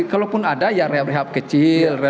kalaupun ada ya rehab rehab kecil